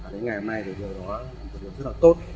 đến ngày hôm nay điều đó rất là tốt